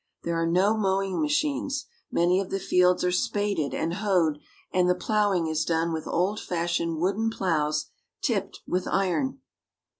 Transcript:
There are no mowing machines ; many of the fields are spaded and hoed, and the plowing is done with old fashioned wooden plows tipped with iron.